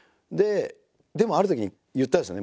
でもあるとき言ったんですよね